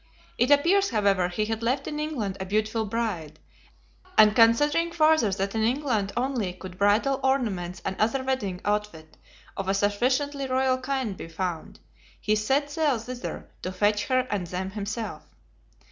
It appears, however, he had left in England a beautiful bride; and considering farther that in England only could bridal ornaments and other wedding outfit of a sufficiently royal kind be found, he set sail thither, to fetch her and them himself.